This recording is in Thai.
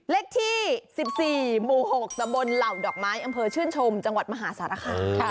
เลขที่๑๔หมู่๖ตะบนเหล่าดอกไม้อำเภอชื่นชมจังหวัดมหาสารคาม